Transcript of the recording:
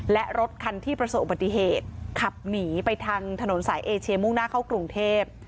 และรถคันที่ประสบอุบัติเหตุขับหนีไปทางถนนสายเอเชียมุ่งหน้าเข้ากรุงเทพ